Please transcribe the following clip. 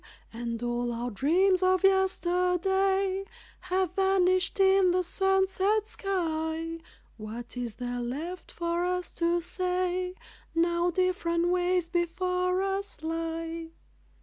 And all our dreams of yesterday Have vanished in the sunset sky What is there left for us to say, Now different ways before us lie?